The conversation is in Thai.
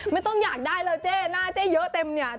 ไม่ต้องอยากได้หน้าเจ๊เยอะเต็ม